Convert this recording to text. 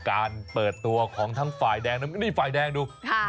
การเปิดตัวของทั้งฝ่ายแดงนี่ฝ่ายแดงดู